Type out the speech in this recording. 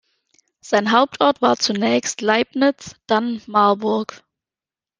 Sein Hauptort war zunächst Leibnitz, dann Marburg.